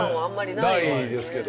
ないですけど。